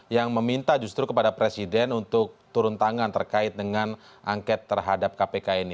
yang meminta justru kepada presiden untuk turun tangan terkait dengan angket terhadap kpk ini